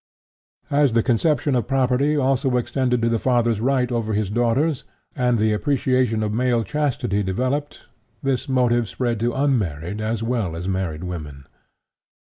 As the conception of property also extended to the father's right over his daughters, and the appreciation of female chastity developed, this motive spread to unmarried as well as married women.